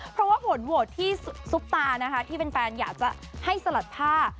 เพราะว่าผลโหวตที่ซุปตานะคะที่เป็นแฟนอยากจะให้สลัดผ้า